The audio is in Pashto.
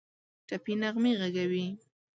ټپي نغمې ږغوي